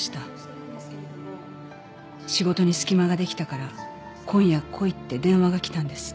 仕事に隙間が出来たから今夜来いって電話が来たんです。